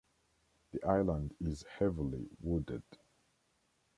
The island is heavily wooded.